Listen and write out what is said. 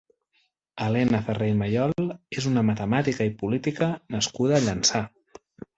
Helena Ferrer i Mallol és una matemàtica i política nascuda a Llançà.